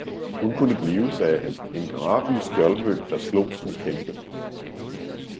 hun kunde blive, sagde han, en drabelig Skjoldmø, der slog sin Kæmpe!